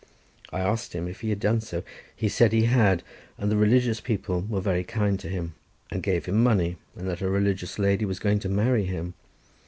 I asked him if he had done so. He said he had, and that the religious people were very kind to him, and gave him money, and that a religious lady was going to marry him.